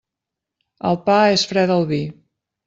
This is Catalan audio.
El pa és fre del vi.